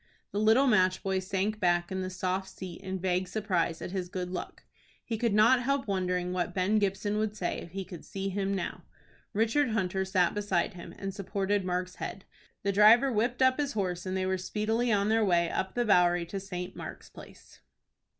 The little match boy sank back in the soft seat in vague surprise at his good luck. He could not help wondering what Ben Gibson would say if he could see him now. Richard Hunter sat beside him, and supported Mark's head. The driver whipped up his horse, and they were speedily on their way up the Bowery to St. Mark's Place.